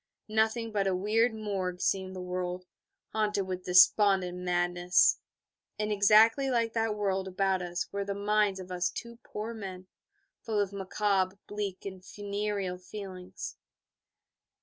Nothing but a weird morgue seemed the world, haunted with despondent madness; and exactly like that world about us were the minds of us two poor men, full of macabre, bleak, and funereal feelings.